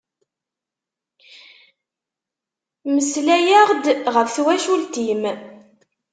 Melslay-aɣ-d ɣef twacult-im!